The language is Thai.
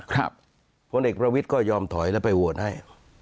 ผลเอกประวิทย์ก็ยอมถอยแล้วไปโหวตให้